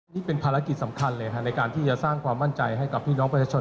นี่เป็นภารกิจสำคัญเลยในการที่จะสร้างความมั่นใจให้กับพี่น้องประชาชน